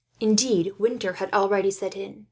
Indeed, winter had already set in.